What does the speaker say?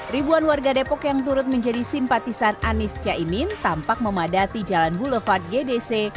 ribuan warga depok yang turut menjadi simpatisan anies caimin tampak memadati jalan boulevard gdc